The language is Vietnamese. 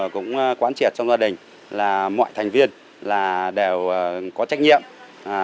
cũng hướng dẫn các hộ gia đình trên địa bàn của phường